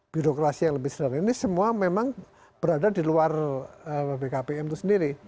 birokrasi yang lebih sederhana ini semua memang berada di luar bkpm itu sendiri